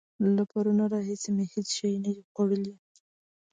له پرونه راهسې مې هېڅ شی نه دي خوړلي.